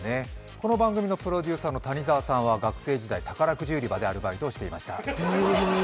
この番組のプロデューサーは学生時代、宝くじ売り場でアルバイトをしていました。